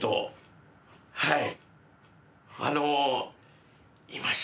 はい。